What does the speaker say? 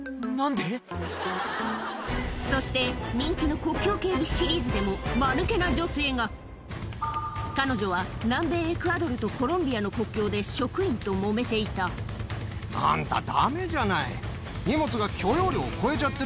そして人気の国境警備シリーズでもマヌケな女性が彼女は南米エクアドルとコロンビアの国境で職員ともめていたするとこらこらこら！